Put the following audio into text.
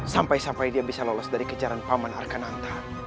sampai sampai dia bisa lolos dari kejaran paman arkananta